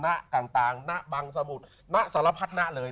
นะกันตางนะบังสมุดนะสรรพัจนะเลย